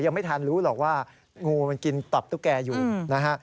ยังไม่ทันรู้หรอกว่างูมันกินตับตุ๊กแกอยู่นะฮะ